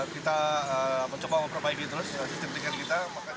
kita mencoba memperbaiki terus sistem tiket kita